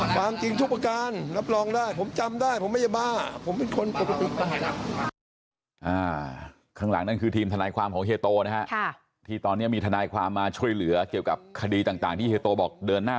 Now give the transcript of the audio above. ความจริงทุกประการรับรองได้ผมจำได้ผมไม่ได้บ้า